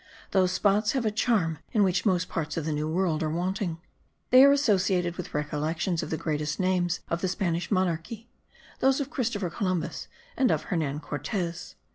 Those spots have a charm in which most parts of the New World are wanting. They are associated with recollections of the greatest names of the Spanish monarchy those of Christopher Columbus and of Hernan Cortez.